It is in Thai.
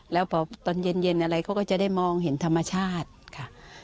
แล้วพอตอนเย็นอะไรเขาก็จะได้มองเห็นธรรมชาติค่ะ